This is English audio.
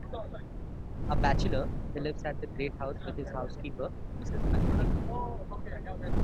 A bachelor, he lives at the great house with his housekeeper, Mrs Macready.